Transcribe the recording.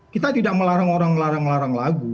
kita tidak melarang orang melarang larang lagu